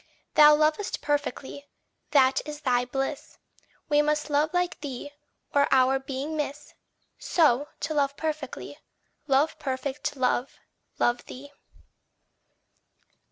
Thou lovest perfectly that is thy bliss: We must love like thee, or our being miss So, to love perfectly, love perfect Love, love thee.